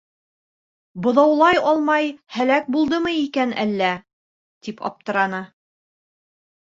Быҙаулай алмай һәләк булдымы икән әллә? - тип аптыраны.